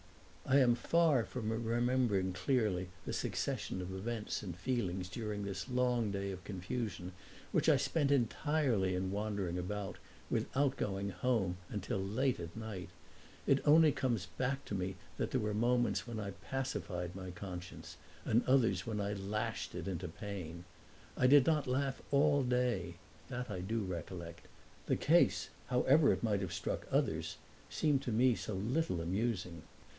I am far from remembering clearly the succession of events and feelings during this long day of confusion, which I spent entirely in wandering about, without going home, until late at night; it only comes back to me that there were moments when I pacified my conscience and others when I lashed it into pain. I did not laugh all day that I do recollect; the case, however it might have struck others, seemed to me so little amusing.